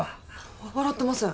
笑ってません。